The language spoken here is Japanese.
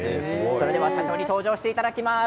それでは社長に登場していただきます。